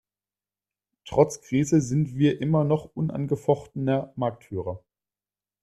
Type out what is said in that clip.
Trotz Krise sind wir immer noch unangefochtener Marktführer.